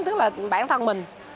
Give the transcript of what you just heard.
tức là bán thân mình